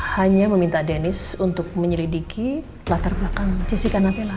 hanya meminta dennis untuk menyelidiki latar belakang jessica napela